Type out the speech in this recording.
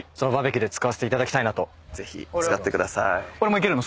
ぜひ使ってください。